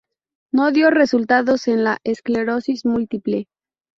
No dio resultados en la esclerosis múltiple.